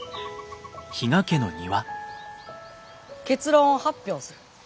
結論を発表する。